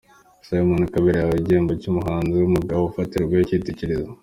Simon Kabera yahawe igihembo cy'umuhanzi w'umugabo ufatirwaho icyitegererezo.